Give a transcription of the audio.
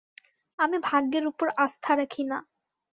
আমি ভাগ্যের ওপর আস্থা রাখি না।